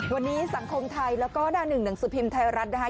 วันนี้สังคมไทยแล้วก็หน้าหนึ่งหนังสือพิมพ์ไทยรัฐนะคะ